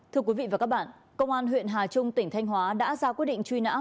thưa quý vị và các bạn công an huyện hà trung tỉnh thanh hóa đã ra quyết định truy nã